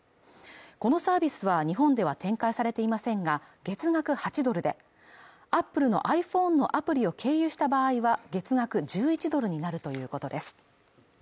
このサービスは日本では展開されていませんが月額８ドルでアップルのｉＰｈｏｎｅのアプリを経由した場合は月額１１ドルになるということです